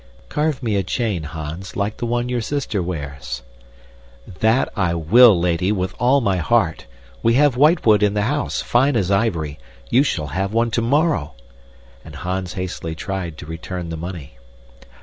"Carve me a chain, Hans, like the one your sister wears." "That I will, lady, with all my heart. We have whitewood in the house, fine as ivory; you shall have one tomorrow." And Hans hastily tried to return the money.